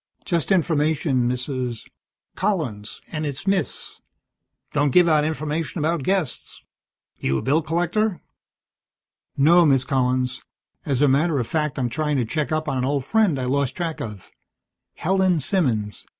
"Just information, Mrs. " "Collins, and it's Miss. Don't give out information about guests. You a bill collector?" "No, Miss Collins. As a matter of fact, I'm trying to check up on an old friend I lost track of. Helen Simmons.